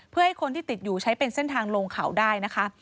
เพื่อให้คนที่ติดอยู่ใช้เป็นเส้นทางลงเขาได้นะคะ